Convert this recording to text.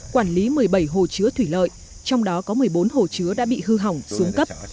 quản lý một mươi bảy hồ chứa thủy lợi trong đó có một mươi bốn hồ chứa đã bị hư hỏng xuống cấp